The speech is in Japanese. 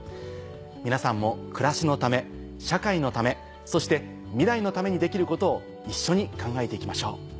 皆さんも暮らしのため社会のためそして未来のためにできることを一緒に考えて行きましょう。